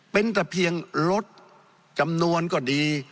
เป็นแต่เพียงลดจำนวนก็ดี